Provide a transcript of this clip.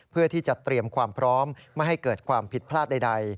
เพื่อที่จะเตรียมความพร้อมไม่ให้เกิดความผิดพลาดใด